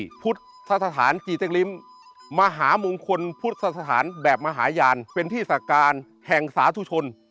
ที่พุทธศาสตร์จีตกริมมหามงคลพุทธศาสตร์แบบมหายานเป็นที่สาการแห่งสาธุชน